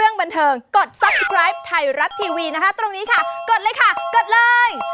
ในรับทีวีนะคะตรงนี้ค่ะกดเลยค่ะกดเลย